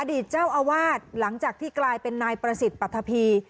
เจ้าอาวาสหลังจากที่กลายเป็นนายประสิทธิ์ปรัฐภีร์